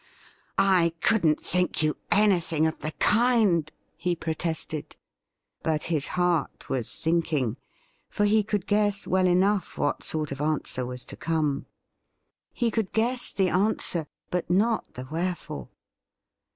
' I couldn't think you anything of the kind,' he protested. But his heart was sinking, for he could guess well enough what sort of answer was to come. He could guess the answer, but not the wherefore.